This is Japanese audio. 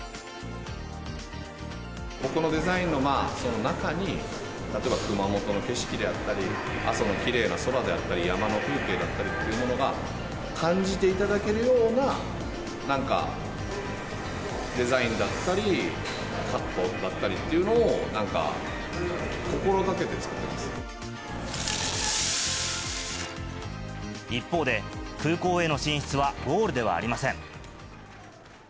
僕のデザインの中に、例えば熊本の景色であったり、阿蘇のきれいな空であったり、山の風景だったりっていうものが感じていただけるような、なんか、デザインだったり、カットだったりっていうのを、なんか、心がけ一方で、空港への進出はゴールではありません。